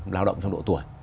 lao động trong độ tuổi